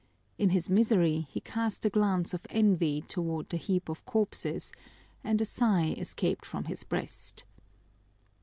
In his misery he cast a glance of envy toward the heap of corpses and a sigh escaped from his breast.